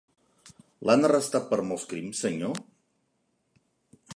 L'han arrestat per molts crims, senyor?